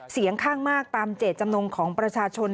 เสียงข้างมากตามเจตจำนงของประชาชน